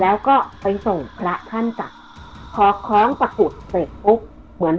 แล้วก็ไปส่งพระท่านจ้ะพอคล้องตะกุดเสร็จปุ๊บเหมือน